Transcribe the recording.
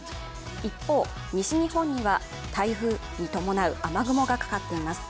一方、西日本には台風に伴う雨雲がかかっています。